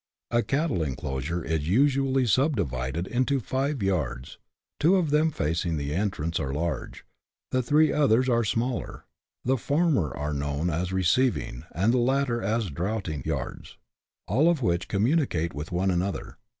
A cattle enclosure is usually subdivided into five yards : two of them facing the entrance are large, the three others are smaller ; the former are known as "receiving," and the latter as "draughting" yards, all of which communicate with one another.